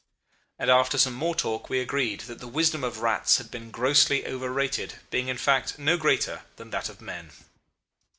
"And after some more talk we agreed that the wisdom of rats had been grossly overrated, being in fact no greater than that of men.